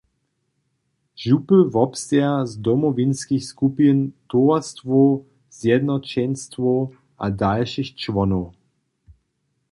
Župy wobsteja z Domowinskich skupin, towarstwow, zjednoćenstwow a dalšich čłonow.